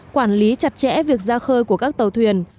quản lý chặt chẽ việc ra khơi của các tàu thuyền